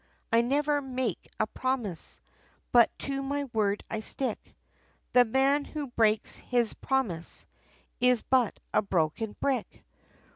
I never make a promise, But to my word, I stick. The man, who breaks his promise, Is but a broken brick."